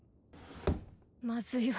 まずいわ！